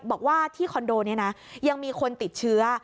บอกว่าที่คอนโดนี้นะยังมีคนติดเชื้อ